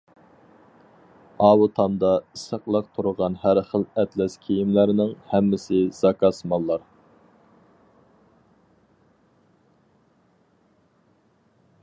ئاۋۇ تامدا ئېسىقلىق تۇرغان ھەر خىل ئەتلەس كىيىملەرنىڭ ھەممىسى زاكاز ماللار.